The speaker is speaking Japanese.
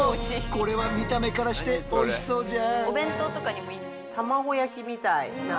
これは見た目からしておいしそうじゃ。